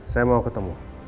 saya mau ketemu